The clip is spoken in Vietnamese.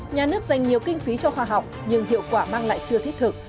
nhà nước dành nhiều kinh phí cho khoa học nhưng hiệu quả mang lại chưa thiết thực